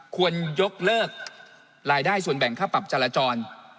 ควรยกเลิกรายได้ส่วนแบ่งค่าปรับจราจร